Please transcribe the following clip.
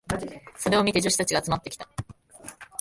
それを見て女子たちが集まってきた。